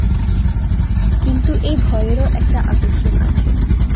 কিন্তু এই ভয়েরও একটা আকর্ষণ আছে।